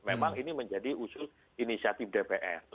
memang ini menjadi usul inisiatif dpr